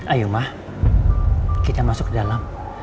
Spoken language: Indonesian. ayo mah kita masuk ke dalam